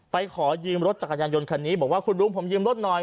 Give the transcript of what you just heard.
ขอยืมรถจักรยานยนต์คันนี้บอกว่าคุณลุงผมยืมรถหน่อย